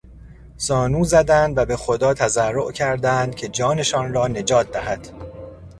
زانو زدند و به خدا تضرع کردند که جانشان را نجات دهد.